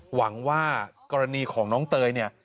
หวังว่ากรณีของน้องเตยเนี่ย